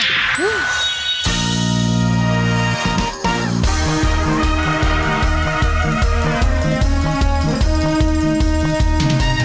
สวัสดีค่ะ